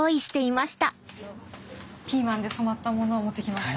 ピーマンで染まったものを持ってきました。